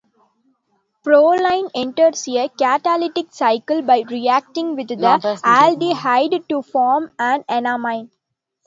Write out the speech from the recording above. Proline enters a catalytic cycle by reacting with the aldehyde to form an enamine.